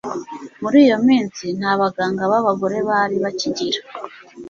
muri iyo minsi nta baganga b'abagore bari bakigira